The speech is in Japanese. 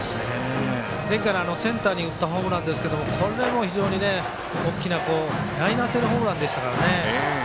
前回のセンターに打ったホームランでしたけどこれも非常に大きなライナー性のホームランでしたからね。